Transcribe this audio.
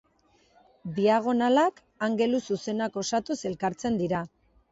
Diagonalak angelu zuzenak osatuz elkartzen dira.